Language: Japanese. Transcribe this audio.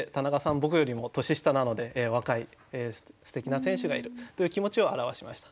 僕よりも年下なので若いすてきな選手がいるという気持ちを表しました。